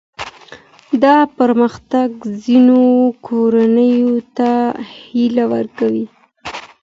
دا پرمختګ ځینو کورنیو ته هیله ورکړې.